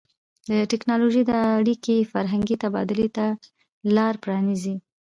د ټیکنالوژۍ دا اړیکې فرهنګي تبادلې ته لار پرانیزي.